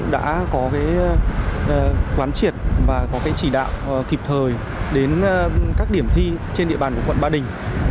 đã có quán triệt và có chỉ đạo kịp thời đến các điểm thi trên địa bàn của quận ba đình